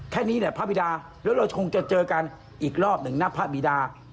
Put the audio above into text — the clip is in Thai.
แค่นี้แหละพระบิดาแล้วเราคงจะเจอกันอีกรอบหนึ่งนะพระบิดา